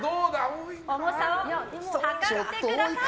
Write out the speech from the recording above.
重さを量ってください。